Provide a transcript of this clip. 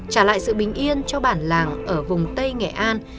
trả lại sự bình yên cho bản làng ở vùng tây nghệ an